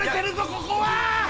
ここはー！